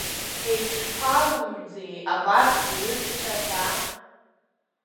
Егьшԥауҩӡеи абарҭ рҩызцәа ҳәа…